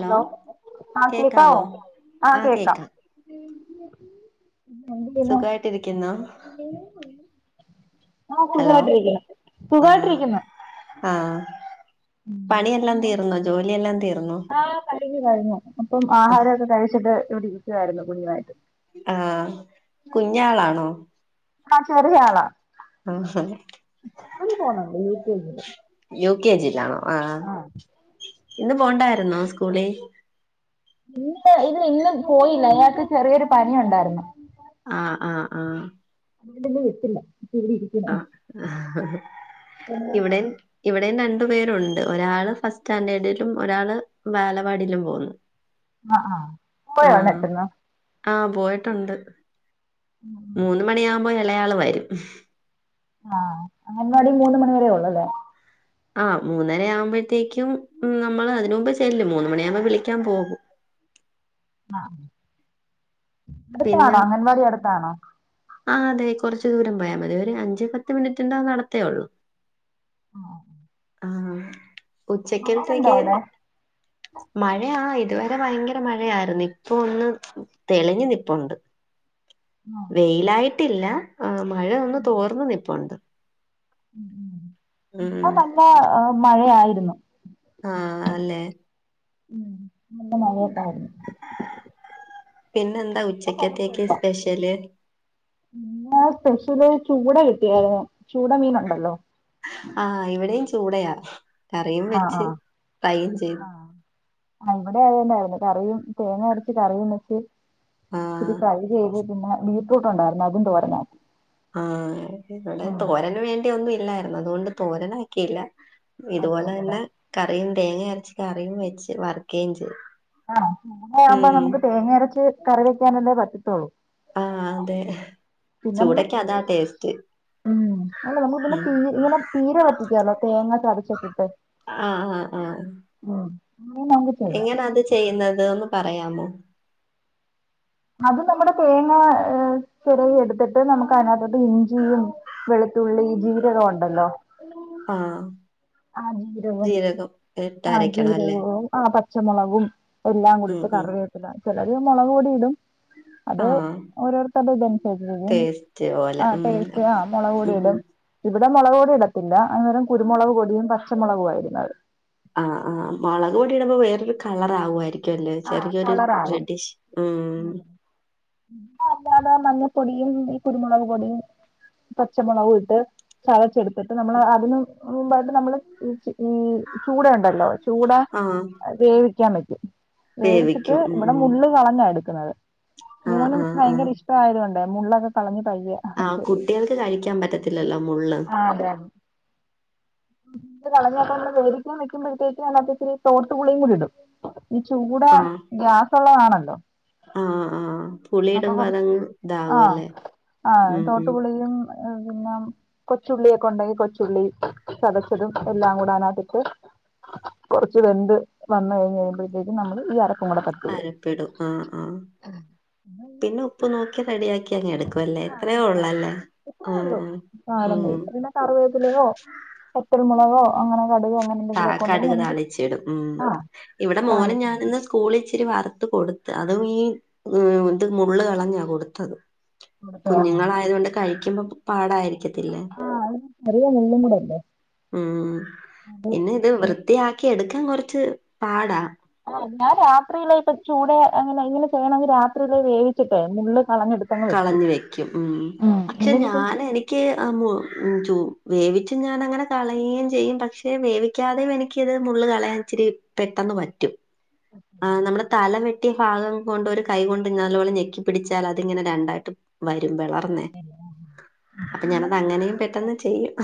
Hello ആഹ കേക്കാവോ? ആഹ കേക്കാം. എന്ത് ചെയ്യുന്നു സുഖായിട്ടിരിക്കുന്നോ? [unintelligible] ഹലോ സുഖായിട്ടിരിക്കുന്നു ആഹ സുഖായിട്ടിരിക്കുന്നു ആഹാ പണിയെല്ലാം തീർന്നോ ജോലിയെല്ലാം തീർന്നോ കഴിഞ്ഞ് കഴിഞ്ഞു ഇപ്പം ആഹാരമൊക്കെ കഴിച്ചിട്ട് ഇവിടെ ഇരിക്കുവായിരുന്നു കുഞ്ഞുവായിട്ട് ആഹ് കുഞ്ഞാളാണോ ആഹ് ചെറിയാളാ ആഹാ പോകുന്നുണ്ട് യു കെ ജില് യു കെ ജി ലാണോ ആഹ് ഇന്ന് പോണ്ടായിരുന്നോ സ്കൂളി ഇന്ന് ഇന്ന് ഇന്ന് പോയില്ല ഇയാൾക്ക് ചെറിയൊരു പനി ഉണ്ടായിരുന്നു ആഹ് ആഹ് ആഹ് [unintelligible] ആഹ് ഇവിടെം ഇവിടെം രണ്ടു പേരുണ്ട് ഒരാൾ ഫസ്റ്റ് സ്റ്റാൻഡേർഡിലും ഒരാൾ ബാലവാടിലും പോകുന്നു [inaudible] ആഹ് ആഹ് [unintelligible] ആഹ് പോയിട്ടൊണ്ട് [inaudible] മൂന്ന് മണിയാകുമ്പോ ഇളയാള് വരും ആഹ് അകലവടി മൂന്ന് മണി വരെയ ഉള്ളൂ അല്ലേ? ആഹ് മൂന്നര ആവുമ്പോഴത്തേക്കും നമ്മള് അതിന് മുമ്പ് ചെല്ലും മൂന്ന് മണിയാകുമ്പോൾ വിളിക്കാൻ പോകും. ആ പിന്നെ അടുത്താണോ അംഗൻവാടി അടുത്താണോ ആ അതെ കുറച്ചു ദൂരം പോയാൽ മതി ഒരു അഞ്ച് പത്ത് മിനിറ്റ്ൻറ നടത്തേള്ളൂ. ആഹ് ആ ഉച്ചക്കൽത്തേക്ക്. അവിടെ മഴയാ ഇതുവരെ ഭയങ്കര മഴയായിരുന്നു ഇപ്പ ഒന്ന് തെളിഞ്ഞു നിപ്പുണ്ട്. [inaudible] വെയിലായിട്ടില്ല മഴ ഒന്ന് തോർന്ന് നിപ്പുണ്ട്. ഉം. [unintelligible] നല്ല മഴയായിരുന്നു. ആ അല്ലെ ഉ നല്ലങൾ [unintelligible] പിന്നെന്താ ഇപ്പൊ ഉച്ചക്കത്തേക്ക് സ്പെഷ്യല്. നിന് സ്പെഷ്യല് ചൂട മീൻ കിട്ടിയായിരുന്നു ചൂട മീന ഉണ്ടല്ലോ? ആഹ് ഇവിടെയും ചൂടയാ കറിയും ആഹ് വെച്ച് ആഹ് ഫ്രൈയും ചെയ്തു ആഹ് ആ ഇവിടെ അത് തന്നായിരുന്നു. കറിയും തേങ്ങ അരച്ച് കറിയും വെച്ച്. ആ. ഇച്ചിരി ഫ്രൈ ചെയ്ത്. പിന്നെ ബീറ്റ്റൂട്ട് ഉണ്ടായിരുന്നു അതും തോരനാക്കി ആഹ ഇവിടെ ആഹ് തോരന് വേണ്ടി ഒന്നും ഇല്ലായിരുന്നു അതുകൊണ്ട് തോരനാക്കിയില്ല. ഇതുപോലെ തന്നെ കറിയും തേങ്ങ അരച്ച് കറിയും വെച്ച് വറക്കുകയും ചെയു ആഹ് [unintelligible] ആവുമ്പോ നമുക്ക് തേങ്ങ അരച്ച് കറി വെക്കാനല്ലേ പറ്റത്തുള്ളൂ. ആഹ് അതെ പിന്നെ നമ്മള് ചൂടക്ക് അതാ ടേസ്റ്റ് ഉ അല്ല നമ്മ ഉം ഇന്നെ ഇങ്ങനെ.. പീരവറ്റിക്കാലോതേങ്ങ ചതച്ചിട്ടിട്ട് ആഹ് ആഹ് ആഹ് ഉം എങ്ങനൊ അത് ചെയ്യുന്നത് ന്ന് പറയാമോ? അത് നമ്മുടെ തേങ്ങ ചിരവി എടുത്തിട്ട് നമുക്ക് അതിനകത്തോട് ഇഞ്ചിയും. വെളുത്തുള്ളി ജീരകം ഉണ്ടല്ലോ? ആഹ് ആഹ് ജീരകവും ജീരകം ആഹ് ഇട്ടരക്കണം അല്ലേ ജീരകവും ആ പച്ചമുളകും എല്ലാം ഉം കൂടിട്ട് കറിവേപില ചിലര് മുളക് പൊടി ഇടും. ! ! ! !? അത് ഓരോരുത്തരുടൊ ഇതനുസരിച്ചരിക്കും ടേസ്റ്റ് പോലെ ആ ഉം ടേസ്റ്റ് ആ മുളക് പൊടി ഉം ഇടും. ഇവിടെ മുളക് പൊടി ഇടത്തില്ല അന്നേരം കുരുമുളക് പൊടിയും പച്ചമുളകും. ആയിരുന്നു ഇട ആഹ് ആഹ് മുളക് പൊടി ഇടുമ്പ വേറൊരു കളർ ആവുവായിരിക്കും ല്ലേ ആഹ് ചെറിയൊരു കളറാകും ഡഡിഷ് ഉം അല്ലാതെ മഞ്ഞൾപ്പൊടിയുംഈ കുരുമുളക് പൊടിയും. പച്ചമുളകും ഇട്ട് ചതച്ചെടു എന്നട്ട് നമ്മൾ അതിന് മുമ്പായിട്ട് നമ്മൾ ഈ ചൂട ഉണ്ടല്ലോ ചൂട. ആഹ് വേവിക്കാൻ പറ്റും വേവിച്ചിട്ട് വേവിക്കും ഉം ഇവിടെ ഉം മുള്ള് കളഞ്ഞാ എടുക്കുന്നത് ആഹ് മോനും ആഹ് ആഹ് ഭയങ്കര ഇഷ് ഷ്ടായത് കൊണ്ടേ മുള്ളൊക്കെ കളഞ്ഞ് പയ്യേ ആഹ കുട്ടികൾക്ക് കഴിക്കാൻ പറ്റത്തില്ലല്ലോ മുള്ള്. ആ അതെ കളഞ്ഞപ്പോ വേവിക്കാൻ വെക്കുമ്പോഴത്തേക്ക് അതിനകത് ത്തിരി തോട്ടു പുളിയും കൂടി ഇടും. ഈ ചൂട ആഹ് ഗ്യാസള്ളതാണല്ലോ ആഹ് ആഹ് അപ്പൊ പുളിയിടുമ്പോ കുറച്ച് അതങ്ങ് ആഹ് ഇതാകുവല്ലേ ആഹ് ഉം ഉം തോട്ടുപുളിയും പിന്നെ കൊച്ചുള്ളിയൊക്കെ ഉണ്ടെങ്കി കൊച്ചുള്ളി. ചതച്ചതും എല്ലാം കൂടൊ അതിനകത്ത്ഇട്. കുറച്ച് വെന്ത് വന്ന് കഴിഞ്ഞ് കഴിയുമ്പോഴത്തേക്കും. നമ്മള് ഈ അരപ്പും കൂടെ തട്ട് അരപ്പിടും ആ ആഹ പിന്നെ ഉപ്പ് നോക്കി റെഡി ആക്കി അങ്ങെ എടുക്കും. ക്കൊല്ലേ ഇത്രയേ ഒള്ളല്ലേ ഇത്രേ ആഹ് ഉള്ളൂ ആഹ് നാടൻ ഉം വേപ്പ് പിന്നെ കറിവേപ്പിലയോ കുരുമുളകോ അങ്ങനെ കടുകോ അങ്ങനെ താ എന്തെങ്കിലൊക്കെ ഒണ്ടെങ്കിൽ കടുക് നമക്ക് താളിച്ചിടും ആ കാണി സ്കൂളി ഇച്ചിരി വറുത്ത് കൊടുത്ത് അതും ഈ ഇത് മുള്ള് കളഞ്ഞാ കൊടുത്തത് കുഞ്ഞുങ്ങളായതുകൊണ്ട് കഴിക്കുമ്പോ പാടായിരി ആഹ് ചെറിയ മുളളും കൂടല്ലേ ഉം പിന്നെ ഇത് വൃത്തിയാക്കി എടുക്കാൻ കുറച്ച് പാടാ ആ ഞാൻ രാത്രിയിലെ ഇപ്പ ചൂടെ അങ്ങനെ ഇങ്ങനെ ചെയ്യണമെങ്കിൽ രാത്രിയിലെ വേവിച്ചിട്ടെ മുള്ള് കളഞ്ഞെടു കളഞ്ഞ് വെക്കും ഉം പക്ഷെ ഇല്ലെങ്കി ഞാൻ എനിക്ക് ക്ക് വേവിച്ച് ഞാനങ്ങനെ കളയേം ചെയ്യും പക്ഷെ വേവി ക്കാതെയും എനിക്കിത് മുള്ള് കളയാൻ ഇച്ചിരി പെട്ടെന്ന് പറ്റും ആഹ് നമ്മുടെ തല വെട്ടിയ ഭാഗം കൊണ്ട് ഒരു കൈ കൊണ്ട് നല്ലപോലെ ഞെക്കി പിടിച്ചാൽ അതിങ്ങനെ രണ്ടായിട്ട് വരും വളർന്നേ അപ്പൊ പിന്നെ ഞാനത് അങ്ങനെയും പെട്ടെന്ന് ചെയ്യും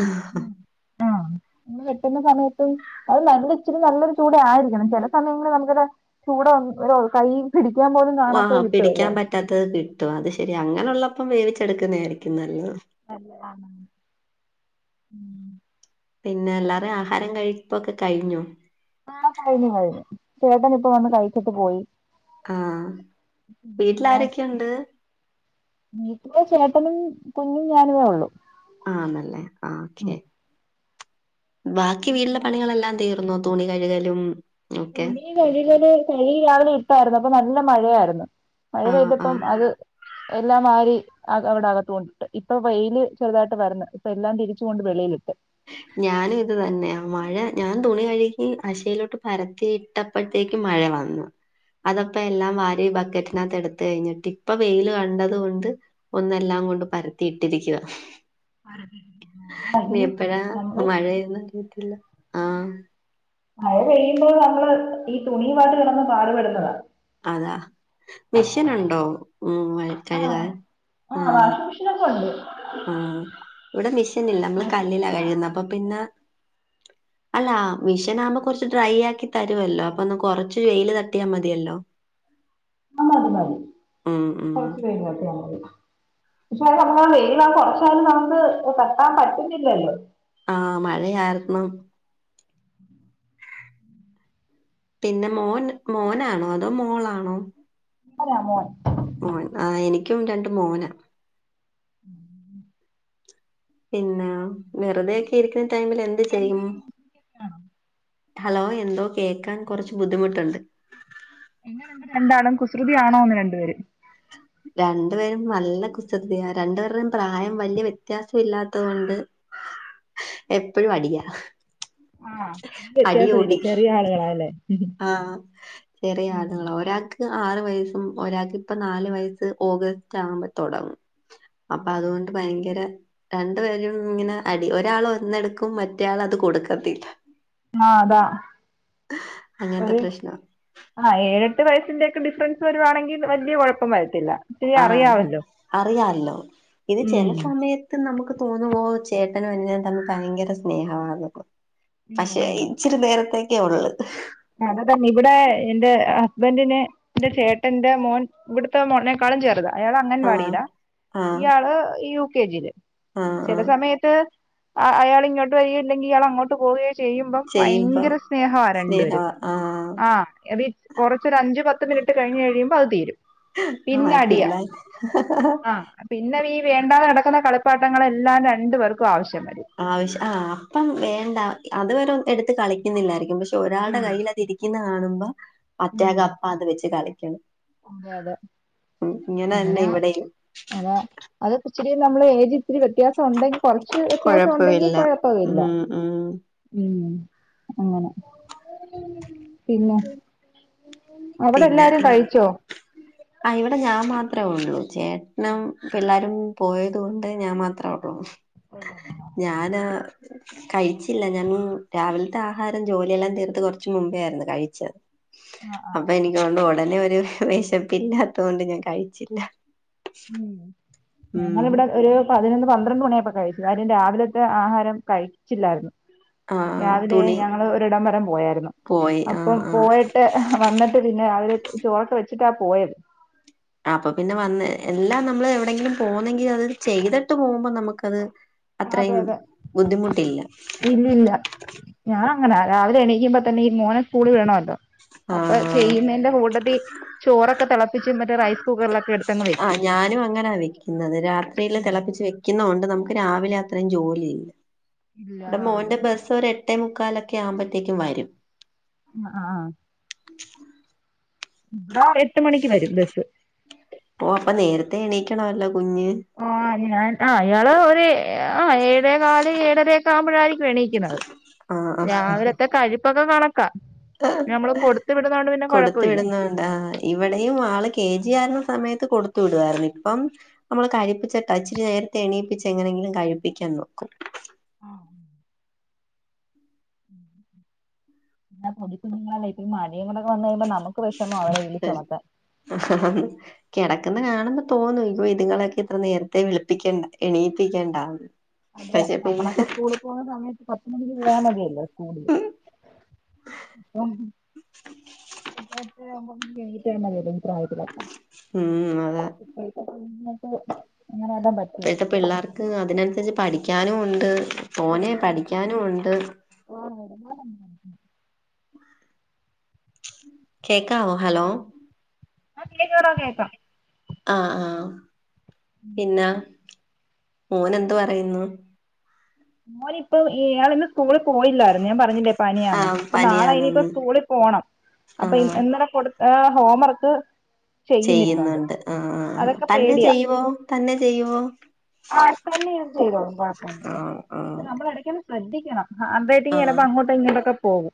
[inaudible] ഇനി കിട്ടുന്ന സമയത്ത് അത് നല്ല ഇച്ചിരി നല്ലൊരു ചൂട ആയിരിക്കണം ചില സമയങ്ങളിൽ നമുക്കിടെ ചൂട ഒന്ന് ഒരു കഴു പിടിക്കാൻ പോലും ഓ കാണാത്തത് കിട്ടുവല്ലോ പിടിക്കാൻ പറ്റാത്തത് കിട്ടും അത് ശരി അങ്ങനെയുള്ളപ്പം വേവിച്ചെടുക്കുന്ന ആയിരിക്കും നല്ലത് നല്ലതാണ് ഉം പിന്നെ എല്ലാവാരും ആഹാരം കഴിപ്പൊക്കെ കഴിഞ്ഞോ ആഹ് കഴിഞ്ഞു കഴിഞ്ഞു ചേട്ടൻ ഇപ്പം വന്ന് കഴിച്ചിട്ട് പോയി ആഹ് പിന്നെ വീട്ടില് മോൻ ആരൊക്കെയുണ്ട് വീട്ടില് ചേട്ടനും കുഞ്ഞും ഞാനമേ ഉള്ളൂ ആണല്ലേ ആഹ് ഓക്കെ ബാക്കി വീട്ടിലെ പണികളെല്ലാം തീർന്നോ തുണി കഴുകലും ഒക്കെ തുണി കഴുകല് കഴി രാവിലെ ഇട്ടായിരുന്നു അപ്പൊ നല്ല മഴയായിരുന്നു മഴ ആഹ് പെയ്തപ്പം ആഹ് അത് എല്ലാം വാരി അ അവിടെ അകത്തു കൊണ്ടിട്ട് ഇപ്പൊ വെയില് ചെറുതായിട്ട് വരന്ന് ഇപ്പൊ എല്ലാം തിരിച്ചു കൊണ്ട് വെളിയിലിട്ട് ഞാനും ഇത് തന്നെയാ മഴ ഞാൻ തുണി കഴുകി അശയിലോട്ട് പരത്തി ഇട്ടപ്പഴത്തേക്ക് മഴ വന്നു അതപ്പ എല്ലാം വാരി ബക്കറ്റിനകത്ത് എടുത്ത് കഴിഞ്ഞിട്ട് ഇപ്പൊ വെയില് കണ്ടത് കൊണ്ട് ഒന്നെല്ലാം കൊണ്ട് പരത്തിയിട്ടിരിക്കുവ ആഹ് മല്ലി അപ്പഴ മഴയൊന്നും കേട്ടില്ല ആഹ് മഴ പെയ്യുമ്പോൾ നമ്മള് ഈ തുണിയുമായിട്ട് കിടന്ന് പാടുപെടുന്നതാ അതാ മിഷീനുണ്ടോ ഉം ആഹ് കഴുകാൻ? ആഹ് വാഷിംഗ് മെഷീനൊക്കെ ഉണ്ട് ആഹ് ഇവിടെ മിഷനില്ല നമ്മള് കല്ലിലാ കഴുകുന്ന അപ്പൊ പിന്നെ അല്ല മിഷനാവുമ്പ കൊർച്ച് ഡ്രൈആക്കി തരുവല്ലോ അപ്പൊ ഒന്ന് കൊറച്ച് വെയ്ല് തട്ടിയാമതിയല്ലോ.. ആഹ് മതി ഉം, ഉം. കൊർച്ചു കഴിഞ്ഞോട്ടെ പക്ഷെ നമ്മ [unintelligible] കൊറച്ച ന്നലും നമ്മുക്ക് കെട്ടാൻ പറ്റിന്നില്ലല്ലോ ആഹ് മഴ ആയിർന്നു പിന്നെ മോൻ മോനാണോ അതോ മോളാണോ അല്ല മോൻ ഉം ആഹ് എനിക്കും രണ്ട് മോനാ പിന്നെ വെറുതെക്കെ ഇരിക്കുന്ന ടൈമിൽ എന്ത് ചെയ്യും ഹലോ എന്തോ കേക്കാൻ കുറച്ച് ബുദ്ധിമുട്ടുണ്ട് എങ്ങനെണ്ട് രണ്ടാളും കുസൃതിയാണോന്ന് രണ്ടുപേരും രണ്ടു പേരും നല്ല കുസൃതിയ രണ്ടുപേരുടെയും പ്രായം വല്യ വ്യത്യാസഇല്ലാതോണ്ട് എപ്പഴും അടിയ.. വ്യത്യാസവില്ല ചെറിയആളുകളാലെ. ആഹ് ചെറിആള്കള.. ഒരാക്ക് ആറ് വയസ്സും ഒരാക്ക്ഇപ്പ ന്നാല് വയസ്സ് ഓഗസ്റ്റ്ആവുമ്പ ത്തൊടങ്ങും. അപ്പ അതുകൊണ്ട് ഭയങ്കര രണ്ടുപേരും ഇങ്ങനെ അടി ഒരാളൊരു ഒന്നെടുക്കും മറ്റെയാളത് കൊടുക്കത്തില്ല.. മാ താ അങ്ങനത്തെ ഒര് പ്രശ്ന ആ ഏഴെട്ട് വയസ്സിന്റെക്കെ ഡിഫ്രൻസ് വരുവാണെങ്കി വല്യകൊഴപ്പംവരത്തില്ല. ആഹ് അത് അറിയാല്ലോ ഇനി ഉം ചെലസമയത് ത്ത് നമുക്ക് തോന്നുവോ ചേട്ടനും അനുജനും തമ്മിൽ ഭയങ്കര സ്നേഹവാന്നെന്ന്. പഷേ ഇച്ചിരി നേരത്തേക്കേഒള്ള്.. അത് തനെ ഇവിടെ എന്റെ ഹസ്ബന്റിന് ന്റെ ചേട്ടന്റെ മോൻ ഇവ്ട്ത്തെമോനെക്കാളും ചെർതാ.. അയാള് ആഹ് അംഗൻവാടിയിലാ ആഹ് ഇയാള് യു കെ ജില് ആഹ് ആഹ് ചെലസമയത്ത് ട്ട് അയാള് ഇങ്ങോട്ട് വരികയും ഇല്ലെങ്കി ഇയാള് അങ്ങോട്ട് പോവേം ചെയ്യുമ്പം ചെയ്യുമ്പം ഭയങ്കര സ്നേഹവ രണ്ട് വെരും.. സ്നേഹവാ ആഹ് ആ എവി കൊറച്ചൊരു അഞ്ച്പത്ത് മിനിറ്റ് കഴിഞ്കഴിയുമ്പ അത് തീരും. ഹ് ഹാ പിന്നെ പിള്ളേര് ഹഹഹാ പിനെ വീ വേണ്ടാതകെടക്കണ കളിപ്പാട്ടങ്ങളെല്ലാം രണ്ട്പേർക്കും ആവശ്യംവരും. ആവശ്യം ആ അപ്പം വേണ്ട അത് വരൊന്ന് എടുത്ത് കളിക്കുന്നില്ലായിരിക്കും പക്ഷെ ഒരാൾടെ കയ്യിലതിരി ക്ക്ന്നാടുബോ ഉം മറ്റാക്ക് അപ്പ അത് വെച്ച് കളിക്കണം.. അതെ അതെ മ് ഇങ്ങനെന്നെ അങ്ങനെ ഇവിടെയും. അതാ അതൊക്കെഇച്ചിരി നമ്മള് ഏജ് ഇത്തിരി വ്യത്യാസഉണ്ടെങ്കി കൊറച്ച് വ്യത്യാസഉണ്ടെങ്കി കൊഴപ്പവില്ല. മ് ഉം അങ്ങനെ പിനെ.. [unintelligible] പിനെ അ ഇവിടെ ഞാമാത്രേ ഒള്ളൂ. ചേട്ട്നും പിള്ളാരും പോയത്കൊണ്ട് ഞാൻ മാത്രേ ഒള്ളൂ. ഞാനാ കഴിച്ചില്ല ഞാൻ രാവിൽത്തെ ആഹാരം ജോലിയെല്ലാം തീർത്ത് കൊർച്ച് മുമ്പേയിരുന്നു കഴിച്ചത്. ആഹ് അ അപ്പഎനിക്കോണ്ട് ഒടനെ ഒരു വെശപ്പില്ലാത്തോണ്ട് ഞാൻ കഴിച്ചില്ല.. ഉം ഉം ഞങ്ങളിവിടെ ഒരു പതിനൊന്ന് പന്ത്രണ്ട് മണിയായ്പ്പകഴിച്ചു. കാര്യം രാവിലത്തെ ആഹാരം കഴിച്ചില്ലായിരുന്നു. ആഹ് രാവിലെ തുണി ഞങ്ങള് ഒരിടംവരം പോയാര്ന്നു പോയി ആഹ് അപ്പം ആഹ് പോയ ട്ട് വന്നിട്ട് പിന്നെ അവര് ചോറൊക്കെവെച്ചിട്ടാ പോയത്.. അപ്പപിനെ വന്ന് എല്ലാം ന്നമ്മള് എവിടെങ്കിലും പോന്നെങ്കി അത് ചെയ്തിട്ട് പോവുമ്പോ ന്നമുക്കത് അതെ അത്രയും അതെ ബുദ്ധിമുട്ടിയില്ല ഇല്ലില്ല ഞാനങ്ങനാ രാവിലെ എണീക്കുമ്പോ തന്നെ ഈ മോനെ സ്കൂളി വേണമല്ലോ അപ്പ ആഹ് ചെയ്യുന്നെന്റെ കൂട്ടത്തി ചോറൊക്കെ തളപ്പിച്ച് മറ്റേ റൈസ് കുക്കറിലൊക്കെ എടു ആഹ് ഞാനും അങ്ങനാ വെക്കുന്നത് രാത്രിയില് ഉം തെളപ്പിച്ച് വെ ക്ക്ന്നോണ്ട് ന്നമക്ക് രാവിലെ അത്രേം ജോലിഇല്ല ഇല്ല ഇവടെ ആ അതെ മോന്റെ ബെസ് ഒരെട്ടേ മുക്കാലൊക്കെ ആവുമ്പത്തേക്കും വരും. ആഹ് ഇവ്ടെ എട്ട്മണിക്ക് വരും ബെസ്സ് ഓ അപ്പ നേരത്തെ എണീക്കണവല്ലോ കുഞ്ഞ്. മോൻ ഞാൻ അയാള് ഒര് ആ ഏഴേ കാല് ഏഴരൊക്കെ ആവുമ്പഴായിരിക്കും എണീ ആഹ് [unintelligible] ആഹ് രാവിലത്തെ കഴിപ്പൊക്കെ കണക്കാ നമ്മള് കൊടുത്തുവിടുന്നെ കൊണ്ട് പിന്നെ കുഴപ്പവില്ല ന്താ ഇവിടെയും ആള് കെ ജി ആയിരുന്ന സമയത്ത് കൊടുത്തു വിടായിരുന്നു ഇപ്പം നമ്മള് കഴിപ്പിച്ചാട്ട ച്ചിരി നേരത്തെ എണീപ്പിച്ച് എങ്ങനെങ്കിലും കഴിപ്പിക്കാൻ നോക്കു ആഹ് [unintelligible] വിഷമാ അവരെ വിളിച്ചുണർത്താൻ അഹഹ കിടക്കന്ന കാണുമ്പോ തോന്നു ഇവേ ഇതുങ്ങളൊക്കെ ഇത്ര നേരത്തെ വിളിപ്പിക്കേണ്ട എണീപ്പിക്കേണ്ടാ അതെ നമ്മളൊക്കെ സ്കൂള് പോകുന്ന സമയത്ത് പത്ത് മണിക്ക് പോയാൽ മതിയല്ലോ സ്കൂളില് ഉം എട്ട ട്ടരാവുമ്പോ കയും ഉം അതാ [unintelligible] ഇങ്ങനെ വല്ലൻ പ ഇപ്പഴത്തെ പിള്ളാർക്ക് അതിനനുസരിച്ച് പഠിക്കാനു ഉണ്ട് തോനെ പഠിക്കാനു ഉണ്ട് ഓഹ് എടങ്ങറൊന്നല്ല കേക്കാവോ ഹലോ ആഹ് കേക്കാടാ കേക്കാം അ ആഹ് പിന്നെ മോനെന്ത് പറയുന്നു മോനിപ്പൊ ഇയാളന്ന സ്കൂളി പോയില്ലാരുന്നു ഞാൻ പറഞ്ഞില്ലേ പനിയാന്ന് ആഹ് പ്പൊ നാളെ ഇനിയിപ്പോ പനിയാണെന്ന് സ്കൂളി പോണം അപ്പോ ഇ ആഹ് ഇന്നലെ കൊടുത്ത ഹോം വർക്ക് ചെയ്യുന്നുണ്ട് അ അ ആഹ് തന്നെ ചെയ്യുവോ തന്നെ ചെയ്യുവോ ആഹ് തന്നെയിരുന്ന് ചെയ്തോളും കുഴപ്പൊന്നില്ല ആഹ് ആഹ് നമ്മള് എടക്കൊന്ന് ശ്രദ്ധിക്കണം അന്തായിട്ട് ആഹ് ചിലപ്പോ അങ്ങോട്ടും ഇങ്ങോട്ടൊക്കെ പോകും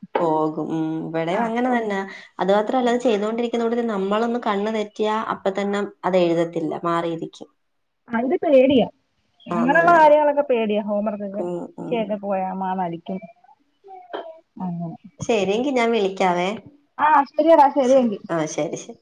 അതുമാത്രല്ല ചെയ്തോണ്ടിരിക്കുന്ന കൂട്ട കണ്ണ് തെറ്റിയ അപ്പോ തന്നെ എഴുതത്തില്ല മാറിയിരിക്കും [inaudible] അത് പേടിയാ അങ്ങനെയുള്ള ആന്നല്ലേ കാര്യങ്ങളൊക്കെ പേടിയ ഹോംവർകൊക്കെ ഉം ഉം ചെയ്ത് പോയാ മാ നടിക്കും അങ്ങനെ ശരി എങ്കി ഞാൻ വിളിക്കാവേ ആ ശരിയെടാ ശരി ശരിയെങ്കിൽ ആഹ് ശരി ശരി